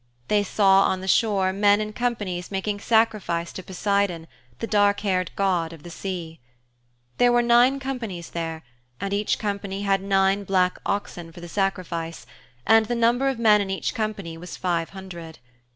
They saw on the shore men in companies making sacrifice to Poseidon, the dark haired god of the sea. There were nine companies there and each company had nine black oxen for the sacrifice, and the number of men in each company was five hundred.